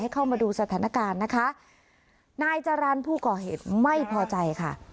เข้ามาดูสถานการณ์นะคะนายจรรย์ผู้ก่อเหตุไม่พอใจค่ะ